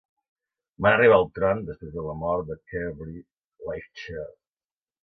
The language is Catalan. Van arribar al tron després de la mort de Cairbre Lifechair.